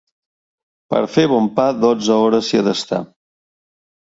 Per fer bon pa dotze hores s'hi ha d'estar.